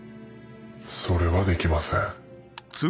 それはできません。